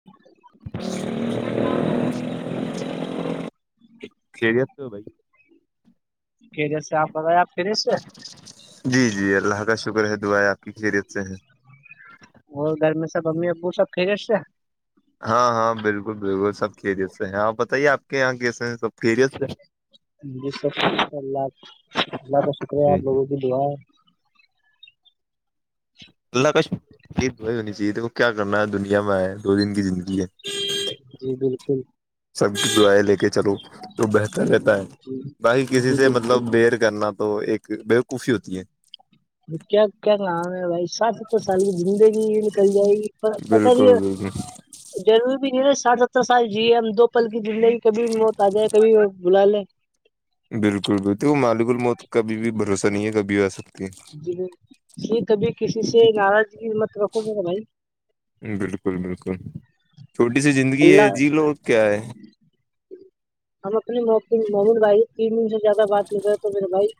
[inaudible] [inaudible] خیریت تو بھائی خیریت س آپ بتائے آپ خیریت سے جی جی اللہ کا شکر ہے دعائیں آپ کی خیریت سے ہیں اور گھر میں سب ممی او سب کھریس تھ ہیں ہاں ہاں بالکل بالکل سب خیریت سے ہے آپ بتائیے آپ کے یہاں کیسے ہیں سب خیریت سے جی س ش اللہ اللہ کا شکریہ جی آپ لوگوں کی دعا [inaudible] اللہ کش یہ دائی ہونی چاہیے ت وہ کیا کرنا ہے دنیا میں ہےئے دو دن کی زندگی ہے [inaudible] جی بالکل [inaudible] سب دیں لے کے چلو تو بہتر رہتا ہے جی با ہی کسی جی سے مطلب بالکل بیر کرنا تو ایک بوقوفی ہوتی ہے کیا کیا نام بھائی [inaudible] سات س تور سال کی زندگی ہی نکل جائے گی پر پت بھی بالکل ہے بالکل [inaudible] ضرور بھی نہیںے سات ستر سال جیے ہم دو پل کی زندگی کبھی موت آ جائے کبھی بلا لیں بالکل بالک وہ مالک الموت کبھی بھی بھروسہ نہیں ہے کبھی بھی آ سکتی ہے جی یہ کبھی کسی سے ناراضگی مت رکھو گا بھائی بالکل بالکل چھوٹی سی زندگی ہے اللہ جی لو کیا ہے ہم اپنے محد بھائی تین دن سے زیادہ بات ل رہے تو میرے بھائی [inaudible]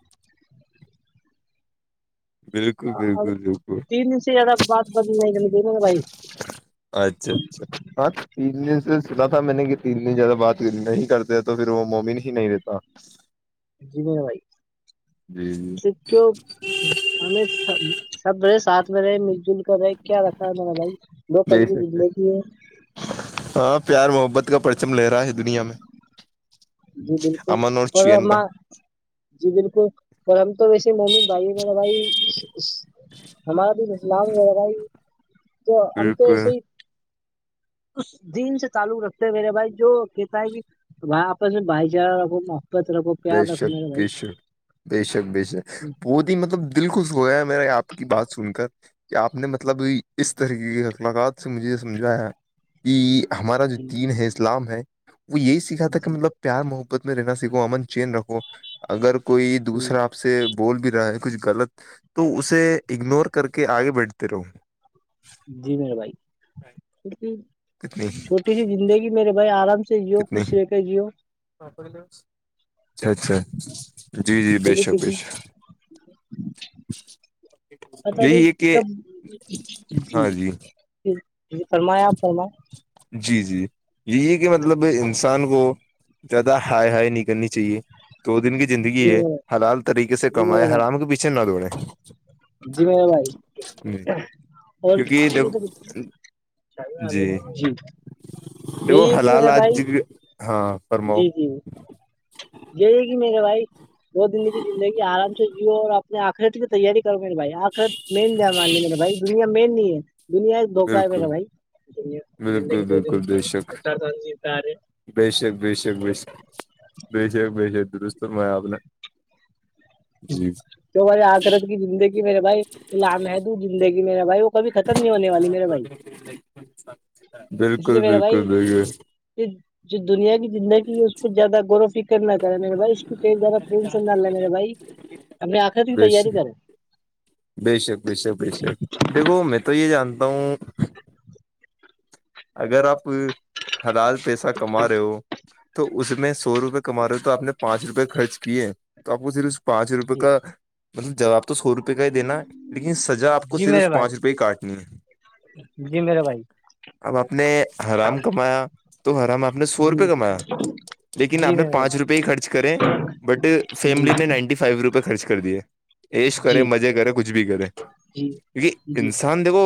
بالکل بالکل بالکل تین دنس یہا بات بند ن گ گ [unintelligible] اچھا اچھا ہاں تین د سے س [inaudible] میں نے اتنی زیادہ بات نہیں کرتے تو پھر وہ مومن ہی نہیں دیتا جی بھائی [inaudible] جی جی س کیوں ہمیں سب رہے ساتھ میں رہے مل جل [inaudible] کیا رکھا ہے ما بھائی دو کل بے کی شک زندگی ہے [inaudible] ہاں پیار محبت کا پرچم لے رہا ہے دنیا میں جی بالکل امن اور پر چین کا [inaudible] جی بالکل پر ہم تو ویسے ممی بھائی میر بھائی ہمارا بھی ملام ویرا ہی تو ہم تو بالکل ایسے ہی [inaudible] اس دن سے تعلق رکھتے میرے بھائی جو کہتا ہے کہ بھائی آپس میں بھائی چارہ ر بے شک بے شک بے شک بے شک وہتی ہی مطلب دل خوش ہویا ہے میرے آپ کی بات سن کر کہ آپ نے مطلب اس طریقے کی اخلاقات سے مجھے یہ سمجھایا ہے کہ ہمارا جو جی دین ہے اسلام ہے وہ یہی سیکھا تھا کہ جی مطلب پیار محبت میں رہنا سیکھو امن چین رکھو اگر کوئی جی دوسرا آپ سے بول بھی رہا ہے کچھ غلط تو اسے اگنور کر کے آگے بیٹھتے رہو جی میر بھائی جی [inaudible] کتنی [inaudible] چھٹی زندگی میرے بھائی آرام سے جیو خوش رہے کے جیو اچھ اچھا جی جی بے کبھی شک کسی بےش پتا رہ ہے کہ کب ج ہاں جی ج فرمایا آپ فرما [inaudible] جی جی یہی ہے کہ مطلب انسان کو زیادہ ہائے ہائے نہیں کرنی چاہیے دو دن کی زندگی ہے حلال طریقے سے جی میرا کمائے حرام بھائی کے پیچھے نہ دوڑیں جی میں بھائی اور [inaudible] کیونکہ دیکھو جی دیکھو یہی ہے کہ م حلال بھائی آج [inaudible] ہاں فرماؤ جی جی گئی گی میرے بھائی وہ د کی زندگی آرام سے جیو اور اپنے آ خرید کی تیاری کرو گ مے بھائی آخر مین دیا مان لے میرا بھائی دنیا مین نہیں ہے دنیا دھوکا ہے م نا بالکل بھائی بالکل زندگی دو دن کی اھا سی آ رہے بی شک ب شک بیشک بی شک بی شک درستست میں آ نے جی تو مے آخرت کی زندگی میرے بھائی لامحد زندگی میرے بھائی وہ کبھی ختم نہیں ہونے والی میرے بھائی اس لیے بالکل میرا بالکل بالکل بھائی جو دنیا کی زندگی اس کو زیادہغور و فکر نہ کرے میرے بھائی اسئییادہینشن نہ لاے بھائی ہم نے آخر ت کی بے تیاری شک کرے بے شک بے شک بے شک دیکھو میں تو یہ جانتا ہوں اگر آپ حلال پیسہ کما رہے ہو تو اس میں سو روپئے کما رہے ہو تو آپ نے پانچ روپئے خرچ کیے توپ کو س پانچ روپئے جی کا مطلب جابپ تو سو روپئے کا ہی دینا ہے لیکن سزا آپ کو جی میرے صرف پانچ روپئے ہی بھائی کاٹنی ہے جی میرا بھائی اب آپ نے حرام کمایا تو حرام آپ نے سو روپے جی کمایا لیکن آپ جی نے میرے پانچ بھائی روپئے ہی خرچ کریں بٹ جی فیملی نے نائنٹی ف فائیو روپئے خرچ کر دیے ایش کریں جی مزے کریں کچھ بھی کریں جی کیونکہ جی انسان دیکو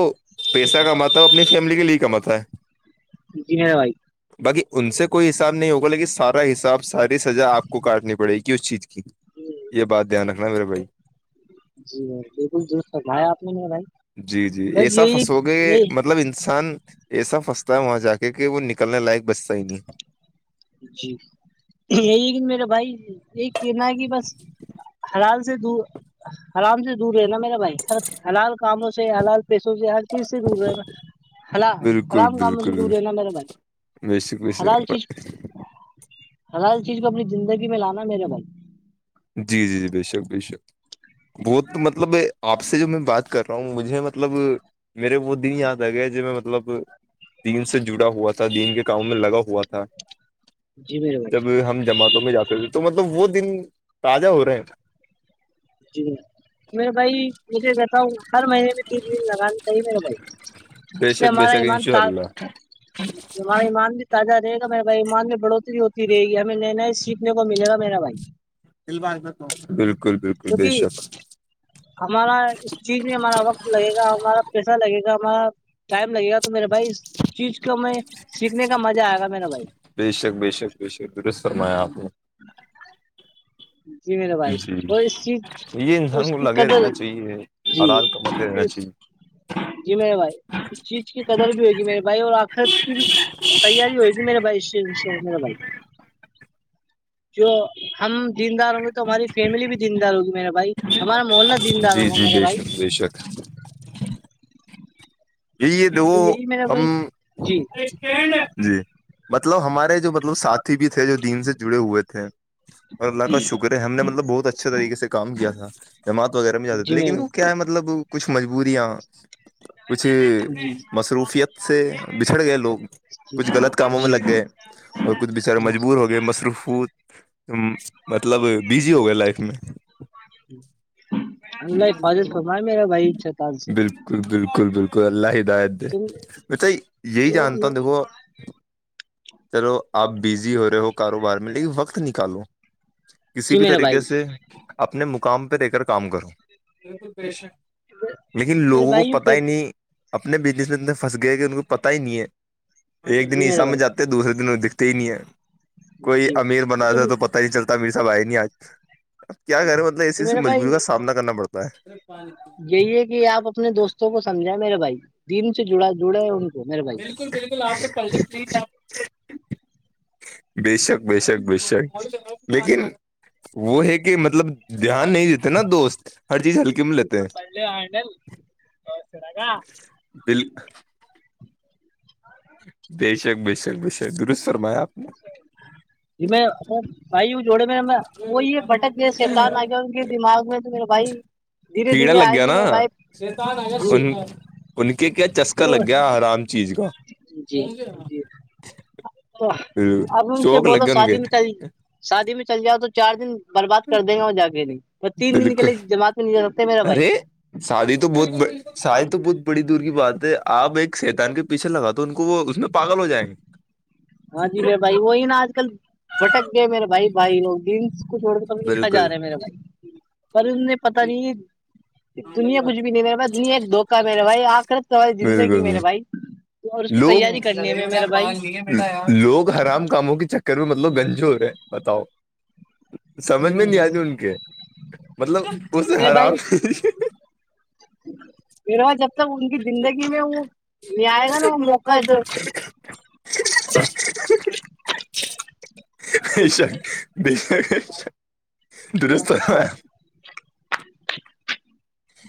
پیسہ کماتا ہے اپنی فیملی کے لیے کماتا ہے ج بھ باقی ان سے کوئی حساب نہیں ہوگا لیکن سارا حساب ساری سزا آپ کو کاٹنی پڑے گی اس چیز کی یہ بات دھیان رکھنا میرے بھائی جی س بالکل درست کرمایا آپ نے م بھائی جی جی بس ایسا یہی فسو گے یہ مطلب انسان ایسا پنستا ہے وہاں جا کے کہ وہ نکلنے لائق بچتا ہی نہیں ہے جی یہییکن میرا بھائی یہی کہنا ہے کہ بس حرال سے د آرام سے دور رہ نا میرا بھائی ہر حلال کاموں سے حلال پیسوں سے ہر سے دور ہے نا ہ رام گ م دور ہے نا میرے بائی بیس بیسے ہر ہر چیز کو اپنی زندگی میں لانا میرے بل جی جی جی بے شک بے شک بہت مطلب آپ سے جو میں بات کر رہا ہوں مجھے مطلب میرے ب دن یاد ہے گے جی میں مطلب دین سے جڑا ہوا تھا دین کے کام میں لگا ہوا تھا جی بھییرو بھائی جب ہم جماعتوں میں جاتے ہو تو مطلب وہ دن تازہ ہو رہے ہیں جی میرے بھائی مجھے بتا ہوں ہر مہینے میں تین دن لگانا چاہیے میرے بھائی بے اس سے شک بے ہمارا شک ایمان انشاء اللہ تاگ ہمارا ایمان بھی تازہ رہےا میرے بھائی ایمان میں بڑھوتری ہوتی رہے گی ہمیں نئے نئے سیکھنے کو ملے گا میرا بھائی بالکل بالکل ب کیونکہ شک ہمارا اس چیز میں ہمارا وقت لگے گا ہمارا پیسہ لگے گا ہمارا ٹائم لگے گا تو میرے بھائی اس چیز کو میں سیکھنے کا مزہ آئے گا میرا بھائی بے شک بے شک بے شک درست فرمایا آپ نے جی میرے بھائی جی وہ اس چیز یہ اس انسان کو کی لگے قدر رہنا چاہیے جی حلال کماتے رہنا اس چاہیے جی میںیرے بھائی اس چیز کی قدر بھی ہوگی میرے بھائی اور آخر کی بھی تیاری ہوئے گی میرے بھائی میرے بھائی جو ہم زدار ہوں گے تو ہماری فیملی بھی زیندار ہوگی میرے بھائی ہمارا محلہ دیندار ہوگا میرے بھائی ب شک جی یہ د تو یہی میرا ہم بھائی جی جی مطلب ہمارے جو مطلب ساتھی بھی تھے جو دین سے جڑے ہوئے تھے اور اللہ کا شکر ہے ہم نے مطلب بہت اچھے طریقے سے کام کیا تھا جماعت وغیرہ میں جیادے تھی جی میرے لیکن وہ کیا بھائی ہے مطلب کچھ مجبوریاں کچھ مصروفیت سے بچھڑ گئے لوگ کچھ غلط کم میں جی لگ جی گئے اور کچھ بچارے مجبور ہو گئے مصروف مطلب بزی ہو گئے لائف میں اللہ فاضل فم میرا بھائیا تج سے بالکل بالکل بالکل اللہ ہدایت د تم بھا یہی چور جانتا ہوں دیکھو چلو آپ بزی ہو رہے ہو کاروبار میں لیکن وقت نکالو کسی جی بھی میرا بھائی طریقے سے اپنے مقام پہ رہے کر کام کرو بک لیکن میرے لوگوں بھائی یوں کہ نی اپنے بزنس میں اتنے پھنس گئے کہ ان کو پت ہی نہیں ہے ایک دن جی ہی میرا سمجھ بھائی آتے دوسرے دن وہ دکھتے ہی نہیں ہیں کوئی جی امیر بناات تھا تم تو پتاہ نہیں چلتا امیر ساب آئے ہی نہیں آج اب کیا کرے مطلب تو اسی سے میرا بھائی مجبوری کا سامنا کرنا پڑتا ہے یہی ہے کہ آپ اپنے دوستوں کو سمجھائ میرے بھائی دن سے جڑا جڑے بالکل بالکل آپ کو بیشک بیشک لیکن وہ ہے کہ مطلب دھیان نہیں دیتے نا دوست ہر چیز ہلکی میں لیتے ہیں ڈا [unintelligible] بال بیشک درست سرمایا آپ نے میں بھائی وہ جوڑے میرے میں وہ یہ بٹک شیتان آ گیا ان کے دماغ میں تو میرے بھائی دھیرے کیڑا دھیرے آئیں لگیا گے نا میرے بھائی ان ان کے کیا چسکا لگ گیا آرام چیز کا جی جی جی اب سے شوق بولو لگے ان شادی کے مٹھائی شادی مٹھ چل جاؤ تو چار دن برباد کر دیں گا وہ جا کے نہیں تو تین دن بالکل نکلے جماعت میںہ نہیں جا ستے میرا بھائی ارے شادی تو بہت شادی تو بہت بڑی دور کی بات ہے آپ ایک شیتان کے پیھے لگا تو ان کو وہ اس میں پاگ ہو جیں گے ہاں جی میرے بھائی وہی نا آج کل بھٹک گئے میرے بھائی بھائی لوگ کو چھوڑ کر توب لکھا جا بالکل رہا ہے میرے بھائی پر ان نے پتا نہیں دنیا کچھ بھی نہیں میرے بھائی دنیا ایک دھوکا ہے میرے بھائی آکرت تو ہماری زندگی بالکل میرے بالکل بھائی اور اس کی لوگ تیاری کرنے میں میرا بھائی لوگ آرام کاموں کے چکر میں مطلب گنجو ہو رہے ہیں بتاؤ سمجھ میرے میں نہیں آتی ان کے مطلب اسے بھائی حرام [inaudible] میرے ب جب تک ان کی زندگی میں وہ یہ آئے گا نا وہ موقع جو [inaudible] بش یہ تو تو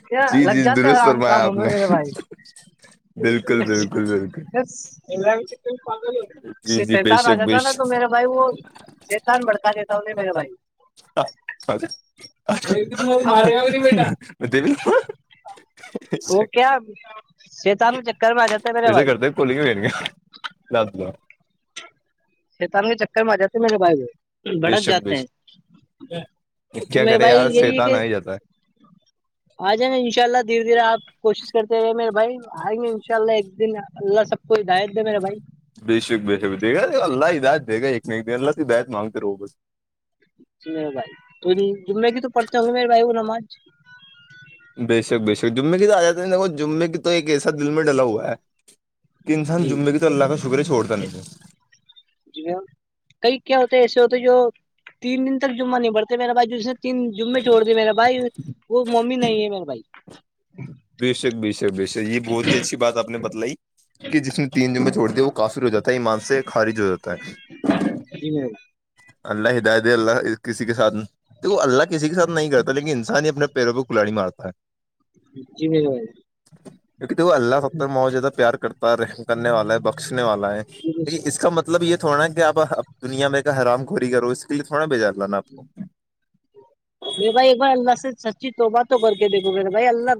کیا جی لگ جی جاتے درست آرام کا فرمایا آپ ممی نے میرے بھائی بالکل بالکل بالکل س جی جی بے شتتا رج شک د بے [unintelligible] تو میرا بھائی وہ چتان بھڑکا دیتا انہیں میرے بھائی مارینا بھی وہ کیا شیطان کے چکر میں آ جاتا ہے میرے ایسے بھائی کرتے کوولنگ کیا شیتان کے چکر میں آ جاتے میرے بھائی بے بڑک شک بے جاتے ہیں تو کیا میرے کرے بھائی یار یہی ہے شیتان کہ ہو جاتا ہے آ جائیںا ان شاء اللہ دھیرے دھیرے کوشش کرتے رہے میرے بھائی آئیں گے ان شاء اللہ ایک دن اللہ سب کو ہدایت دے میرے بھائی بے شک بے شک دے گا اللہ ہدات دے گا ایک م اللہ تو ہدایت مانگتے رہو بس میں بھائی کوئی جمے کی تو پڑھتے ہوں گے میرے بھائی وہ نماز بیشک جمے کی تو آ جات جمے کی تو ایک ایسا دل میں ڈلا ہوا ہے کہ انسان جی جمعے کی تو اللہ کا شکر ہے سےھوڑتا نہیں تھا جی کئی کیا ہوتے ایسے ہوتے جو تین دن تک جمعہ نبڑتے میرے بھائی نے تن جمے چھوڑ دیے میرا بھائی وہ ممی نہیں ہے میرے بھائی بے شک بے شک بےشک یہ بہت ہی اچھی بات آ نے بتلائی کہ جس نے تین جمبے چھڑ دیا وہ کافی ر ہو جاتا ہے ایمان سے خارج ہو جاتا ہے ج ہو اللہ ہدایت اللہ کسی کے ساتھ وہ اللہ کسی کے ساتھ نہیں کرتا لیکن انسان ہی اپنے پیروں پ کلاڑی مارتا ہے جی بھی بھائی کیونکہ تو اللہ ستر مات زیادہ پیار کرتا کرنے والا ہے بخشنے والا جی ہےیک اس کا مطلب یہ تھوڑا کہ آپ دنیا میں حرام گوری کرو اس کے لیے تھوڑا بےجار لانا آپ کو نہیںے بائی ایک بار اللہ سے سچی توبات تو کر کے دےو ما بھائی اللہ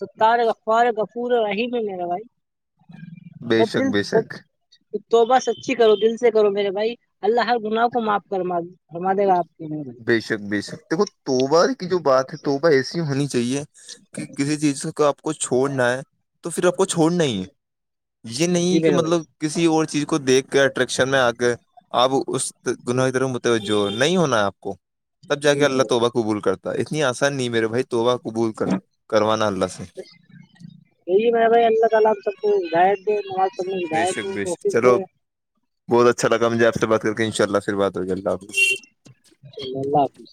ستار اخبار غفوریم ہے میرا بھائی بے شک دل بے سب شک تو بس اچھی کرو دل سے کرو میرے بھائی اللہ ہر گناہ کو معاف کر ما د اورر م دے گ آپ کی بے شک بے شک دیکو توبا کی جو بات ہے توبہ ایسی ہونی چ چاہیے کہ کسی چیز کو آپ کو چھوڑنا ہے تو پھر آپ کو چھوڑنا ہے یہ جی نہیں کہ میرے بھائی مطلب کسی اور چیز کو دیکھ کے اٹریکشن میں آ کے آپ اس جی گنر متوجہ نہیں ہونا ہے آپ کو تب جا جی کے میرے اللہ بھائی توبا قبول کرتا اتنی آسان نہیں میرے بھائی توبہ قبول کر کروانا اللہ سے ڈلی میں بھائی الگا ہم سپدت ڈے نواز سد بے شک بے ڈف شک ڈے چلو بہت اچھا لگا مجھے آ سے بات کر کے ان شاء اللہ پھر بات ہو جی اللہ حافظ چلو اللہ حافظ